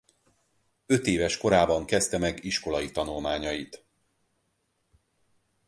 Ötéves korában kezdte meg iskolai tanulmányait.